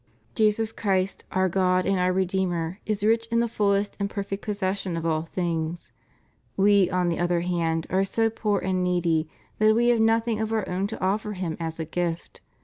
Jesus Christ, our God and our Re deemer, is rich in the fullest and perfect possession of all things : we, on the other hand, are so poor and needy that we have nothing of our own to offer Him as a gift.